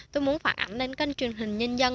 tôi muốn phản ánh đến kênh truyền hình nhân dân